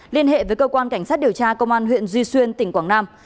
liên hệ với cơ quan cảnh sát điều tra công an huyện duy xuyên tỉnh quảng nam